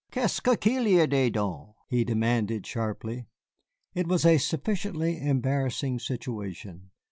"Qu'est ce qu'il y a la dedans?" he demanded sharply. It was a sufficiently embarrassing situation.